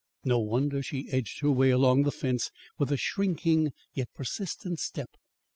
No wonder she edged her way along the fence with a shrinking, yet persistent, step.